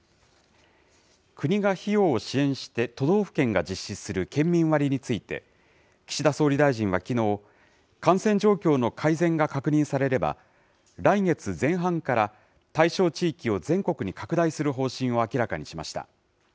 国が費用を支援して都道府県が実施する県民割について、岸田総理大臣はきのう、感染状況の改善が確認されれば、来月前半から対象地域を全国に拡大する方針を明らかにしました。